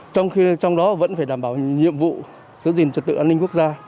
trong khi trong đó vẫn phải đảm bảo nhiệm vụ giữ gìn trật tự an ninh quốc gia